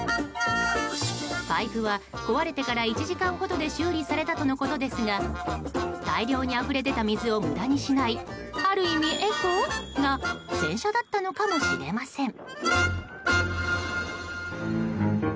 パイプは壊れてから１時間ほどで修理されたとのことですが大量にあふれ出た水を無駄にしないある意味エコな洗車だったのかもしれません。